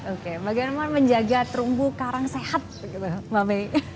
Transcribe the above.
oke bagaimana menjaga terumbu karang sehat mbak may